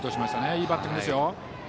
いいバッティングですよ。